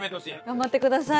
頑張ってください！